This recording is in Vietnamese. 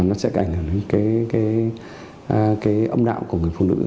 nó sẽ ảnh hưởng đến cái âm đạo của người phụ nữ